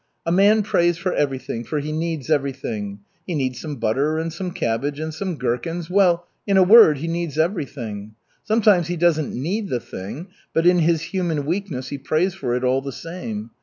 A man prays for everything, for he needs everything. He needs some butter and some cabbage, and some gherkins, well, in a word, he needs everything. Sometimes he doesn't need the thing, but in his human weakness he prays for it all the same.